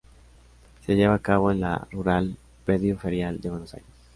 Se lleva a cabo en La Rural, Predio Ferial de Buenos Aires.